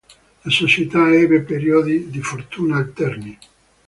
La società ebbe periodi di fortuna alterni.